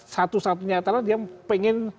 satu satunya adalah dia pengen